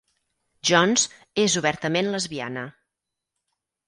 Jones és obertament lesbiana.